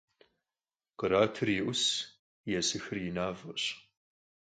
Khratır yi 'usş, yêsıxır yi maf'eş.